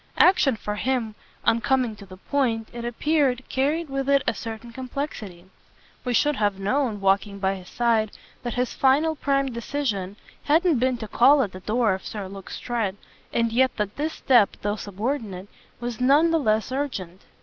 Action, for him, on coming to the point, it appeared, carried with it a certain complexity. We should have known, walking by his side, that his final prime decision hadn't been to call at the door of Sir Luke Strett, and yet that this step, though subordinate, was none the less urgent.